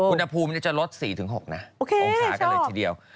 อุณหภูมิจะลด๔๖นะองศากันเลยทีเดียว